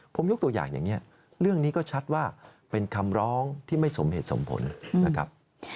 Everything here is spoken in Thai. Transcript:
ผมยกตัวอย่างอย่างนี้เรื่องนี้ก็ชัดว่าเป็นคำร้องที่ไม่สมเหตุสมผลนะครับ